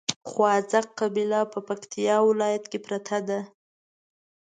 خواځک قبيله په پکتیا ولايت کې پراته دي